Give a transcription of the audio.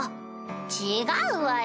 違うわよ！